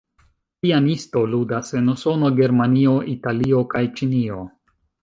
Pianisto ludas en Usono, Germanio, Italio, kaj Ĉinio.